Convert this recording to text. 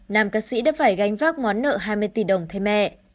nam ca sĩ đã phải gánh vác món nợ hai mươi tỷ đồng thêm mẹ